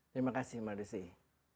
terima kasih marisie